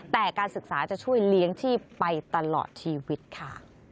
แต่การศึกษาจะช่วยเลี้ยงชีพไปตลอดชีวิตค่ะ